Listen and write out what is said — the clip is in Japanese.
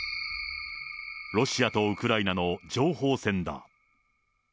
ロシアとウクライナの情報戦だ。